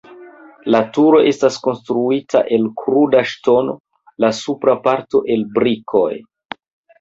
La turo estas konstruita el kruda ŝtono, la supra parto el brikoj.